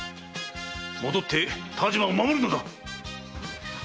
戻って但馬を守るのだ！